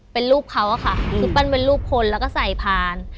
เป็นรูปเขาอะค่ะคือปั้นเป็นรูปคนแล้วก็ใส่พาน